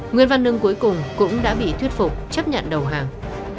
nguyễn văn nương cuối cùng cũng đã bị thuyết phục chấp nhận đầu hàng